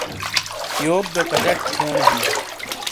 یوک گہ کچٹ تھیونو ہیں۔